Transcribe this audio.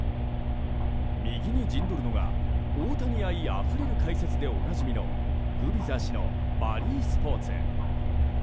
右に陣取るのが大谷愛あふれる解説でおなじみのグビザ氏のバリー・スポーツ。